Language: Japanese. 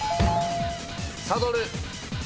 サドル。